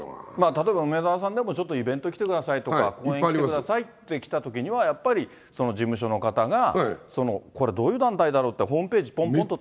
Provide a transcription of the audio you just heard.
例えば、梅沢さんでもちょっとイベント来てくださいとか、応援に来てくださいとか、来たときには、やっぱり事務所の方が、これ、どういう団体だろうって、ホームページ、ぽんぽんと。